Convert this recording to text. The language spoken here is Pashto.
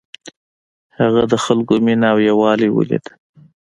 هغه د خلکو مینه او یووالی ولید.